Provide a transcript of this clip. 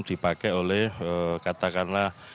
dipakai oleh katakanlah